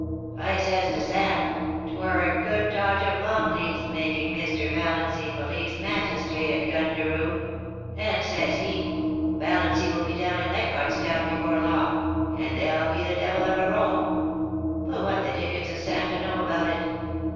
I ses to Sam, "'Twur a good dodge of Longleat's making Mr. Valiancy police magistrate at Gundaroo;" and ses he, " Valiancy will be down in Leichardt's Town before long, and there'll be the devil of a row." But what the dickens is Sam to know about it